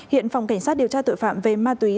hiện phòng cảnh sát điều tra tội phạm về ma túy